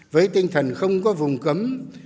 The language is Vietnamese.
với tinh thần không có vùng cấm